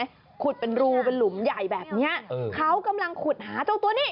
เขากำลังขุดเป็นรูเป็นหลุมใหญ่แบบนี้เขากำลังขุดหาเจ้าตัวนี้